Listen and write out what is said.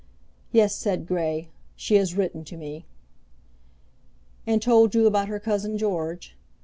"Yes," said Grey; "she has written to me." "And told you about her cousin George.